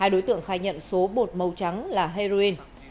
hai đối tượng khai nhận số bột màu trắng là heroin